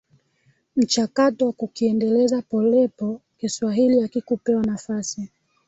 mchakato wa kukiendeleza polepo Kiswahili hakikupewa nafasi